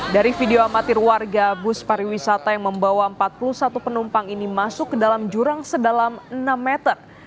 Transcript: dari video amatir warga bus pariwisata yang membawa empat puluh satu penumpang ini masuk ke dalam jurang sedalam enam meter